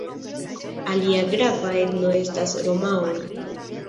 Alia grava etno estas romaoj.